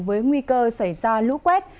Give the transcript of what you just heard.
với nguy cơ xảy ra lũ quét